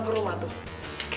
oh itu terus eh